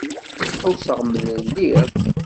Ḥusseɣ mlelliɣ.